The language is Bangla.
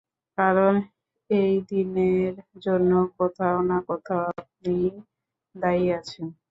কারণ এই দিনের জন্য কোথাও না কোথাও আপনিও দায়ী আছেন।